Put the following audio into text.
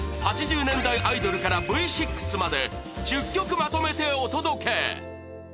８０年代アイドルからＶ６まで１０曲まとめてお届け。